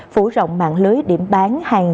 phủ rộng mạng lưới điểm bán hàng